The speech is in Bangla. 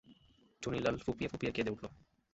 চুনিলাল ফুঁপিয়ে ফুঁপিয়ে কেঁদে উঠল।